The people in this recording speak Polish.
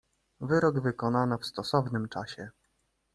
"Wyrok wykonano w stosownym czasie."